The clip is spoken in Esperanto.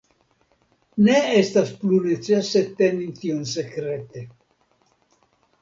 Ne estas plu necese teni tion sekrete.